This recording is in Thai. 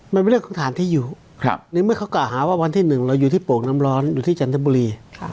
มันเป็นเรื่องของฐานที่อยู่ในเมื่อเขากล่าวหาว่าวันที่๑เราอยู่ที่โป่งน้ำร้อนอยู่ที่จันทบุรี